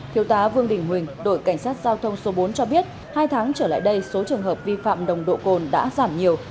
thiếu tá vương đình huệ đội cảnh sát giao thông số bốn cho biết hai tháng trở lại đây số trường hợp vi phạm nồng độ cồn đã giảm nhiều